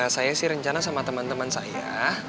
saya sih rencana sama teman teman saya